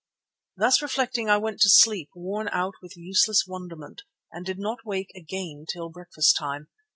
Thus reflecting I went to sleep worn out with useless wonderment, and did not wake again till breakfast time.